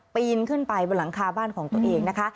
ปีนขึ้นไปบนหลังคาบ้านของตัวเองนะคะ